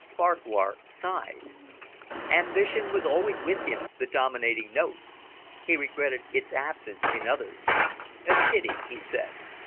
Farquhar sighed. Ambition was always with him the dominating note. He regretted its absence in others. "A pity," he said.